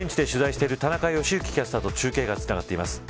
現地で取材している田中良幸キャスターと中継がつながっています。